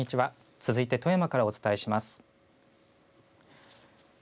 続いて富山からお伝えします。